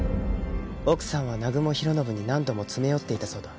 奥さんは南雲弘伸に何度も詰め寄っていたそうだ。